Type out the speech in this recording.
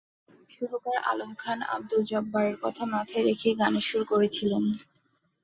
সুরকার আলম খান আব্দুল জব্বারের কথা মাথায় রেখে গানের সুর করেছিলেন।